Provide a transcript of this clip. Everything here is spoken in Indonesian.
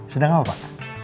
sedang apa pak